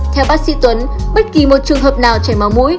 theo bác sĩ tuấn bất kỳ một trường hợp nào chảy máu mũi